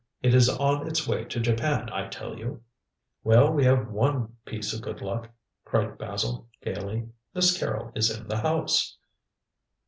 It is on its way to Japan, I tell you." "Well, we have one piece of good luck," cried Basil gaily. "Miss Carrol is in the house."